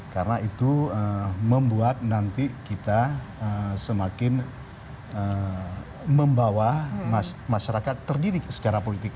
karena itu membuat nanti kita semakin membawa masyarakat terdidik secara politik